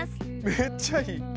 めっちゃいい。